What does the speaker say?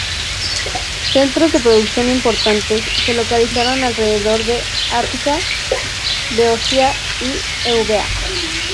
Centros de producción importantes se localizan alrededor de Ática, Beocia y Eubea.